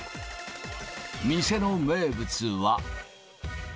店の名物は。